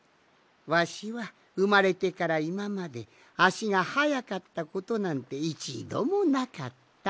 わしはうまれてからいままであしがはやかったことなんていちどもなかった。